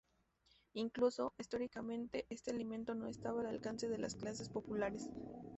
Incluso históricamente, este alimento no estaba al alcance de las clases populares.